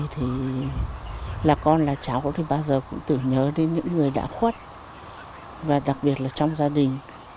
thì là con là cháu có thể bao giờ cũng tự nhớ đến những người đã khuất và đặc biệt là trong gia đình